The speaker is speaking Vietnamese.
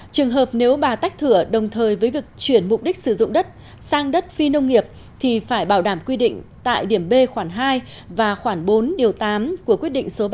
trường hợp nếu bà tách thửa đồng thời với việc chuyển mục đích sử dụng đất sang đất phi nông nghiệp thì phải bảo đảm quy định tại điểm b khoảng hai và khoảng bốn điều tám của quyết định số ba mươi tám hai nghìn một mươi bốn